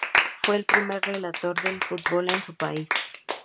Fue el primer relator de fútbol en su país.